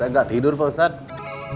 saya gak tidur pak ustadz